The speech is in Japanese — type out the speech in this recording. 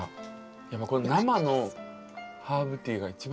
やっぱりこの生のハーブティーが一番いいですね。